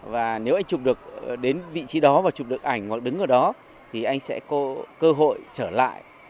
và nếu anh chụp được đến vị trí đó và chụp được ảnh hoặc đứng ở đó thì anh sẽ có cơ hội trở lại